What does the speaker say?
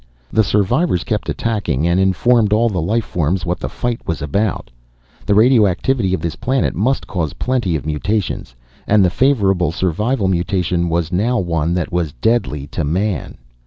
The survivors kept attacking and informed all the life forms what the fight was about. The radioactivity of this planet must cause plenty of mutations and the favorable, survival mutation was now one that was deadly to man.